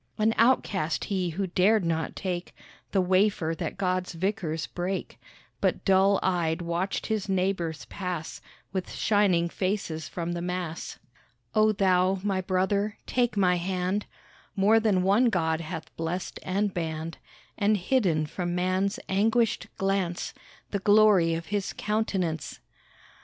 An outcast he who dared not take The wafer that God's vicars break, But dull eyed watched his neighbours pass With shining faces from the Mass. Oh thou, my brother, take my hand, More than one God hath blessed and banned And hidden from man's anguished glance The glory of his countenance.